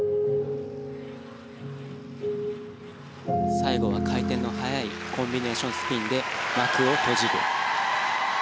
最後は回転の速いコンビネーションスピンで幕を閉じる。